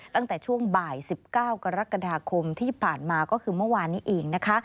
ตั้งแต่ช่วงบ่าย๑๙กรกฎาคมที่ผ่านมาก็คือเมื่อวานนี้เองนะคะ